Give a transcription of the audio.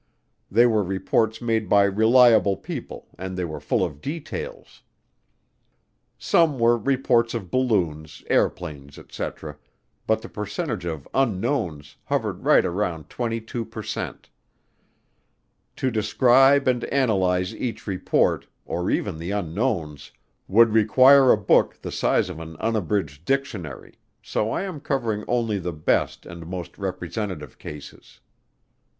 They were reports made by reliable people and they were full of details. Some were reports of balloons, airplanes, etc., but the percentage of unknowns hovered right around 22 per cent. To describe and analyze each report, or even the unknowns, would require a book the size of an unabridged dictionary, so I am covering only the best and most representative cases.